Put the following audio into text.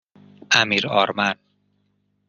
امیرآرمن